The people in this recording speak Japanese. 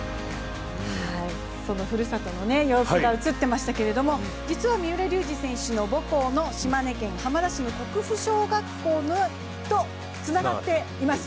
ふるさとの様子が映っていましたけども実は三浦龍司選手の母校の島根県浜田市の国府小学校とつながっています。